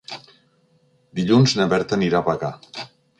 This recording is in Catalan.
Dilluns na Berta anirà a Bagà.